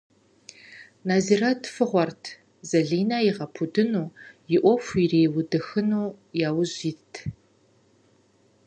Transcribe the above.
Нэзирэт фыгъуэрт, Зэлинэ игъэпудыну, и ӏуэху ириудыхыну яужь итт.